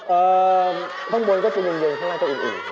เอ่อข้างบนก็จะเย็นข้างล่างจะอุ่น